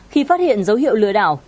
khi phát hiện dấu hiệu lừa đảo